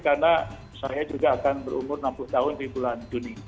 karena saya juga akan berumur enam puluh tahun di bulan juni